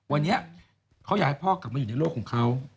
วันนี้เขาอยากให้พ่อกลับมาอยู่ในโลกของเขา